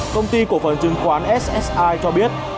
công ty cổ phần chứng khoán ssi cho biết